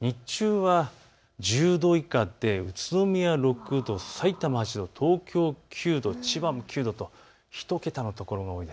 日中は１０度以下で宇都宮６度、さいたま８度、東京９度、千葉も９度と１桁の所が多いです。